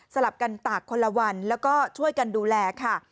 ลับกันตากคนละวันแล้วก็ช่วยกันดูแลค่ะ